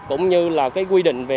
cũng như là quy định về